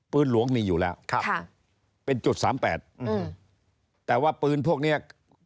หลวงมีอยู่แล้วครับเป็นจุดสามแปดอืมแต่ว่าปืนพวกเนี้ย